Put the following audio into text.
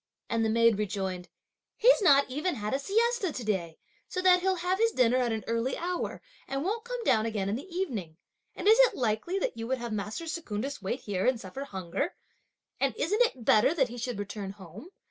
And the maid rejoined: "He's not even had a siesta to day, so that he'll have his dinner at an early hour, and won't come down again in the evening; and is it likely that you would have master Secundus wait here and suffer hunger? and isn't it better than he should return home?